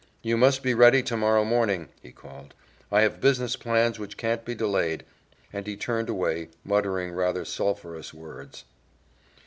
"You must be ready tomorrow morning," he called. "I have business plans which can't be delayed," and he turned away muttering rather sulphurous words.